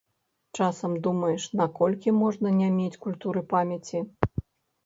Часам думаеш, наколькі можна не мець культуры памяці?